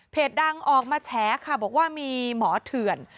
ดังออกมาแฉค่ะบอกว่ามีหมอเถื่อน